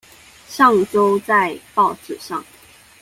上週在報紙上